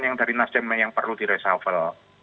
yang dari nasdem yang perlu diresapel